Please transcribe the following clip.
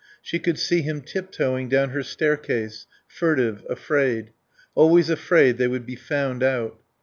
She could see him tiptoeing down her staircase, furtive, afraid. Always afraid they would be found out.